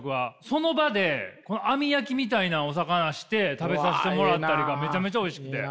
その場で網焼きみたいなお魚して食べさしてもらったりがめちゃめちゃおいしくて。